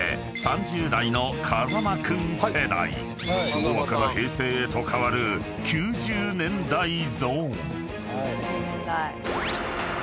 ［昭和から平成へと変わる９０年代ゾーン］